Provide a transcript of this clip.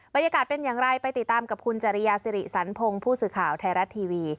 บรรยากาศเป็นอย่างไรไปติดตามกับคุณจริยาสิริสันพงศ์ผู้สื่อข่าวไทยรัฐทีวี